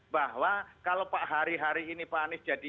bahwa kalau pak hari hari ini pak anies jadi